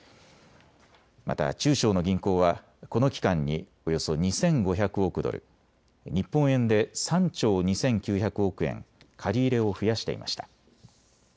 また中小の銀行はこの期間におよそ２５００億ドル、日本円で３兆２９００億円、借り入れを増やしていました。